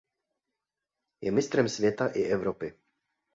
Je mistrem světa i Evropy.